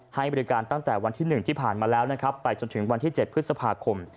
ให้บริการตั้งแต่วันที่๑ที่ผ่านมาแล้วนะครับไปจนถึงวันที่๗พฤษภาคม